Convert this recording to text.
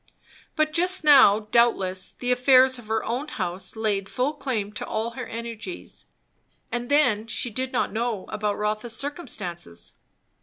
But just now, doubtless, the affairs of her own house laid full claim to all her energies; and then, she did not know about Rotha's circumstances.